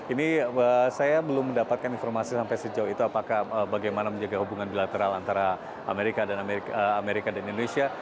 ini saya belum mendapatkan informasi sampai sejauh itu apakah bagaimana menjaga hubungan bilateral antara amerika dan amerika dan indonesia